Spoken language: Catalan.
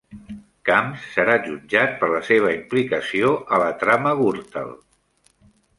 Camps serà jutjat per la seva implicació a la trama Gürtel